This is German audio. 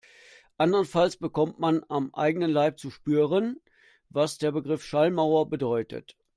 Andernfalls bekommt man am eigenen Leib zu spüren, was der Begriff Schallmauer bedeutet.